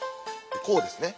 こうですね。